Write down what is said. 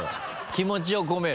気持ちを込める？